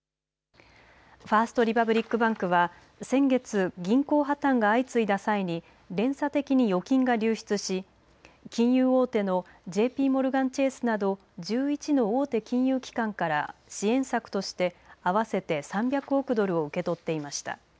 ファースト・リパブリック・バンクは先月、銀行破綻が相次いだ際に連鎖的に預金が流出し金融大手のＪＰモルガン・チェースなど１１の大手金融機関から支援策として合わせて３００億ドルを受け取っていました。